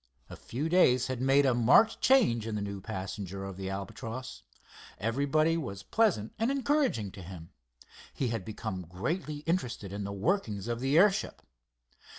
A few days had made a marked change in the new passenger of the Albatross. Everybody was pleasant and encouraging to him. He had become greatly interested in the workings of the airship.